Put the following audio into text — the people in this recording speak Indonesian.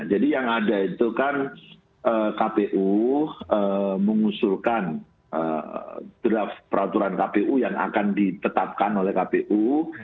jadi yang ada itu kan kpu mengusulkan draft peraturan kpu yang akan dipetapkan oleh kpu